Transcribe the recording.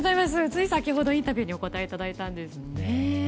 つい先ほどインタビューにお答えいただいたんですよね。